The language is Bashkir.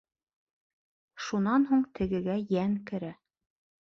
Шунан һуң тегегә йән керә.